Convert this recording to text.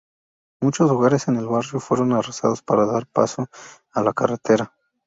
Muchos hogares en el barrio fueron arrasados para dar paso a la carretera.